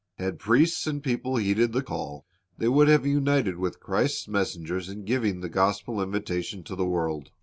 Had priests and people heeded the call, they would have united with Christ's messengers in giving the gospel invitation to the world.